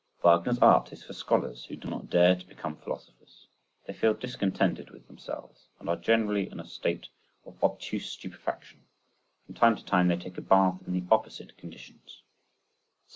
Wagner's art is for scholars who do not dare to become philosophers: they feel discontented with themselves and are generally in a state of obtuse stupefaction—from time to time they take a bath in the opposite conditions. 70.